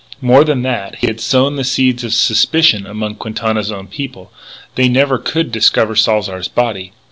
More than that, he had sown the seeds of suspicion among Quintana's own people. They never could discover Salzar's body.